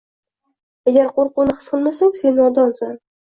Agar qoʻrquvni his qilmasang, sen nodonsan.